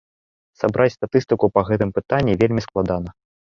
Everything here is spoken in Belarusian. Сабраць статыстыку па гэтым пытанні вельмі складана.